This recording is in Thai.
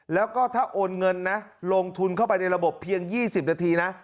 แล้วก็ถ้าโอนเงินนะลงทุนเข้าไปในระบบเพียง๒๐นาทีนะ